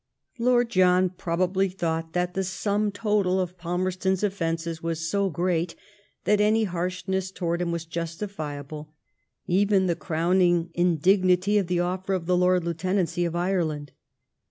* Lord John probably thought that the sum total of Palmerston's offences was so great that any harshness towards him was justifiable, even the crowning indignity of the offer of the Lord Lieutenancy of Ireland.